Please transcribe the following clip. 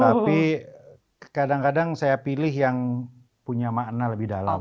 tapi kadang kadang saya pilih yang punya makna lebih dalam